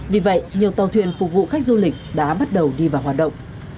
vì vậy nhiều tàu thuyền phục vụ khách du lịch đã bắt đầu đi vào hoạt động